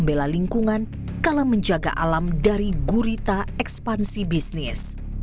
membela lingkungan kalah menjaga alam dari gurita ekspansi bisnis